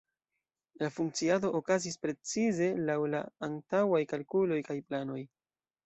La funkciado okazis precize laŭ la antaŭaj kalkuloj kaj planoj.